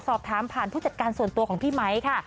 สอบถามผ่านผู้จัดการส่วนตัวของพี่ไมค์ค่ะ